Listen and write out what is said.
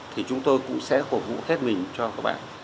thì chúng tôi cũng sẽ cổ vũ hết mình cho các bạn